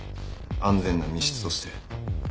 安全な密室として。